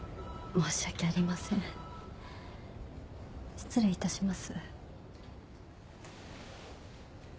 失礼いたします。